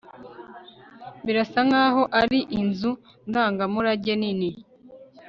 Birasa nkaho ari inzu ndangamurage nini